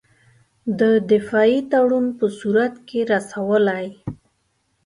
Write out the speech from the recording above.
د دفاعي تړون په صورت کې رسولای.